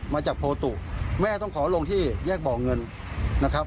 มาจากโพตุแม่ต้องขอลงที่แยกบ่อเงินนะครับ